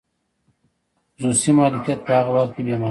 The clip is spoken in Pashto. خصوصي مالکیت په هغه وخت کې بې مانا و.